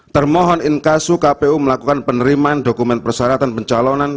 termohon inkasu kpu melakukan penerimaan dokumen persyaratan pencalonan